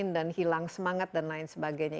dan hilang semangat dan lain sebagainya